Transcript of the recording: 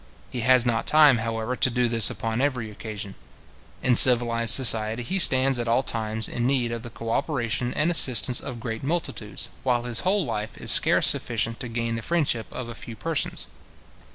He has not time, however, to do this upon every occasion. In civilized society he stands at all times in need of the co operation and assistance of great multitudes, while his whole life is scarce sufficient to gain the friendship of a few persons.